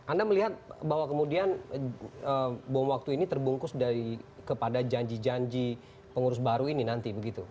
anda melihat bahwa kemudian bom waktu ini terbungkus kepada janji janji pengurus baru ini nanti begitu